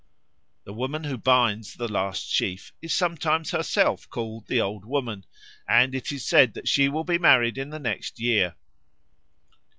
The woman who binds the last sheaf is sometimes herself called the Old Woman, and it is said that she will be married in the next year.